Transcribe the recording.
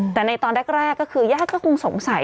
แต่ในตอนแรกก็คือญาติก็คงสงสัย